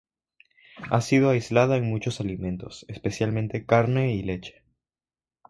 Ha sido aislada en muchos alimentos, especialmente carne y leche.